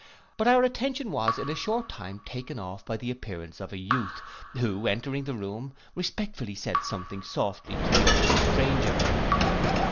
But our attention was in a short time taken off by the appearance of a youth, who, entering the room, respectfully said something softly to the old stranger.